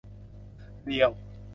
เรียล